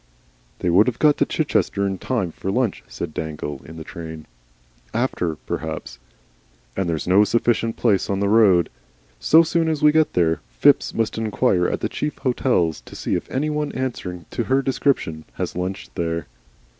"They would have got to Chichester in time for lunch," said Dangle, in the train. "After, perhaps. And there's no sufficient place in the road. So soon as we get there, Phipps must inquire at the chief hotels to see if any one answering to her description has lunched there."